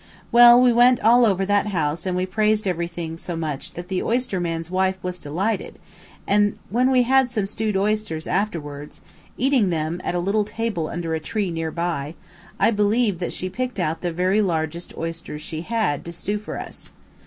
Well, we went all over that house and we praised everything so much that the oyster man's wife was delighted, and when we had some stewed oysters afterward, eating them at a little table under a tree near by, I believe that she picked out the very largest oysters she had, to stew for us.